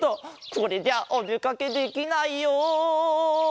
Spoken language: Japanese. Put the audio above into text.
これじゃおでかけできないよ。